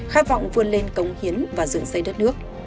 khát vọng vươn lên cống hiến và dưỡng xây đất nước